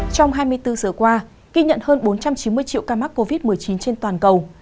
trong hai mươi bốn giờ qua ghi nhận hơn bốn trăm chín mươi triệu ca mắc covid một mươi chín trên toàn cầu